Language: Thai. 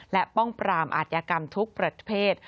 และป้องปรามอาธิกรรมทุกประเภท